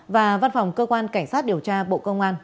và văn phòng cơ quan cảnh sát điều tra bộ công an